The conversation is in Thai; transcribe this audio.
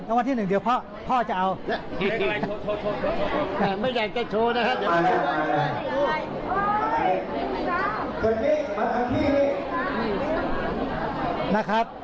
แต่วันที่๑เดี๋ยวพ่อพ่อจะเอา